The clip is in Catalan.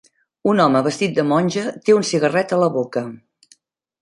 Un home vestit de monja té un cigarret a la boca.